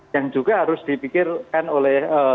yang juga harus dipikirkan oleh